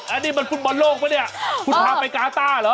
อันนี้มันฟุตบอลโลกปะเนี่ยคุณพาไปกาต้าเหรอ